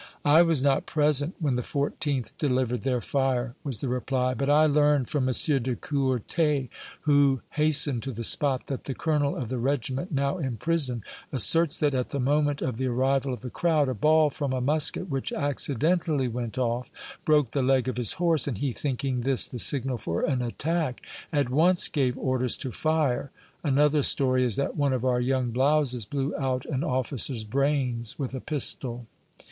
"I was not present when the 14th delivered their fire," was the reply, "but I learned from M. de Courtais, who hastened to the spot, that the colonel of the regiment, now in prison, asserts that, at the moment of the arrival of the crowd, a ball from a musket which accidentally went off, broke the leg of his horse, and he, thinking this the signal for an attack, at once gave orders to fire. Another story is that one of our young blouses blew out an officer's brains with a pistol."